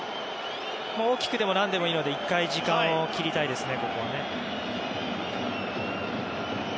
大きくても何でもいいので１回時間を切りたいですね。